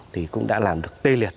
thì cũng đã làm được tê liệt